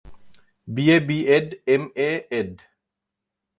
BA BEd, MA add.